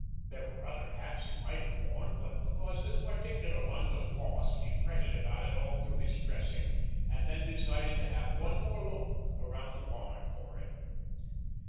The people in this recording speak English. There were other hats he might have worn, but because this particular one was lost he fretted about it all through his dressing and then decided to have one more look around the barn for it.